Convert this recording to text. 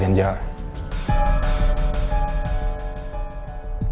kita akan mulai